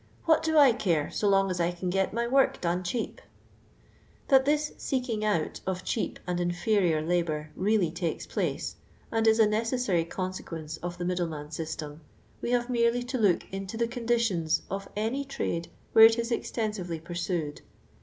' what do I care, so loni; as I can get my work done cheap f That this pekiny out of cheap and inferior labour really takes place, and is a necessary consequence of the middleman system, we have merely to look into the condition of any trade where it is extensively pursued.